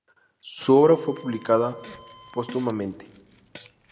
Su obra fue publicada póstumamente.